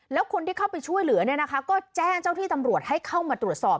แล้วคนที่เข้าไปช่วยเหลือเนี่ยนะคะก็แจ้งเจ้าที่ตำรวจให้เข้ามาตรวจสอบ